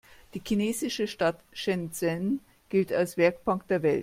Die chinesische Stadt Shenzhen gilt als „Werkbank der Welt“.